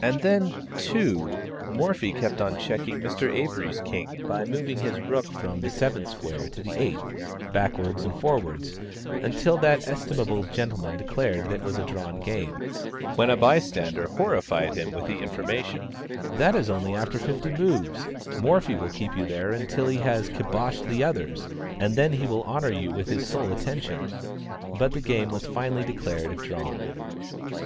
And then, too, Morphy kept on checking Mr. Avery's king by moving his rook from the seventh square to the eighth, backwards and forwards, until that estimable gentleman declared it was a drawn game, when a bystander horrified him with the information "That is only after fifty moves; Morphy will keep you there until he has kiboshed the others, and then he will honor you with his sole attention." But the game was finally declared drawn.